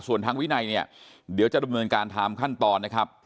ส่วนทางวินัยเนี่ยเดี๋ยวจะดำเนินการตามขั้นตอนนะครับ